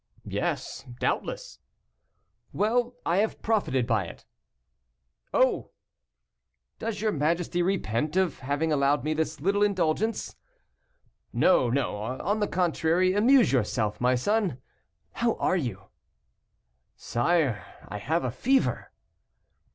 "Yes, doubtless." "Well, I have profited by it." "Oh!" "Does your majesty repent of having allowed me this little indulgence?" "No, no, on the contrary, amuse yourself, my son. How are you?" "Sire, I have a fever."